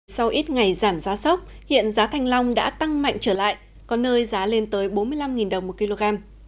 sau ít ngày giảm giá sốc hiện giá thanh long đã tăng mạnh trở lại có nơi giá lên tới bốn mươi năm đồng một kg